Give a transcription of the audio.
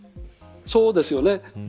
そうですよね。